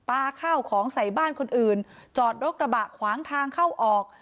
อาพาท์ของสายบ้านคนอื่นจอดโรครับะขวางทางเข้าออก